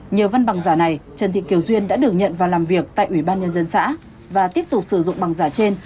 nhờ văn bằng giả này trần thị kiều duyên đã được nhận vào làm việc tại ủy ban nhân dân xã và tiếp tục sử dụng bằng giả trên